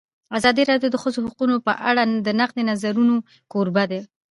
ازادي راډیو د د ښځو حقونه په اړه د نقدي نظرونو کوربه وه.